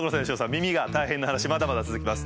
耳が大変な話まだまだ続きます。